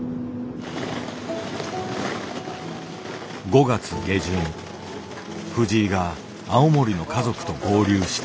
５月下旬藤井が青森の家族と合流した。